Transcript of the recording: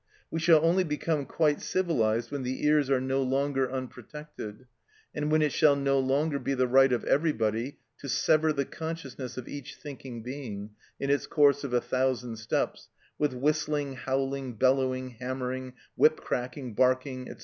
We shall only become quite civilised when the ears are no longer unprotected, and when it shall no longer be the right of everybody to sever the consciousness of each thinking being, in its course of a thousand steps, with whistling, howling, bellowing, hammering, whip cracking, barking, &c.